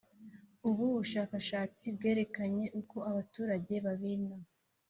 Ubu bushakashatsi bwerekanye uko abaturage babina